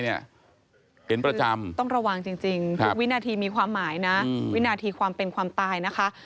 เห็นประจำต้องระวังจริงทุกวินาทีมีความหมายนะวินาทีความเป็นความตายนะคะ